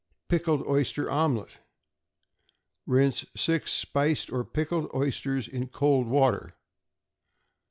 =Pickled Oyster Omelet.= Rinse six spiced or pickled oysters in cold water.